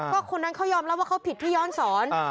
ก็คนนั้นเขายอมรับว่าเขาผิดที่ย้อนสอน